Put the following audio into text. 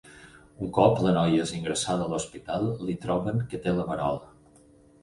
Un cop la noia és ingressada a l'hospital, li troben que té la verola.